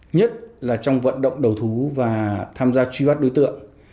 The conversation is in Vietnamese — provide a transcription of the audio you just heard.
nhất là trong vận động đầu thú và tham gia truy bắt đối tượng